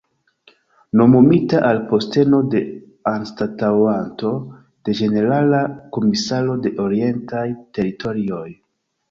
Nomumita al posteno de anstataŭanto de ĝenerala komisaro de Orientaj Teritorioj.